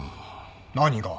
何が？